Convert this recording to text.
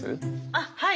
あっはい。